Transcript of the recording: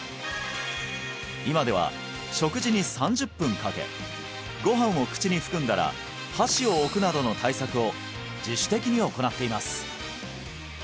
今では食事に３０分かけご飯を口に含んだら箸を置くなどの対策を自主的に行っています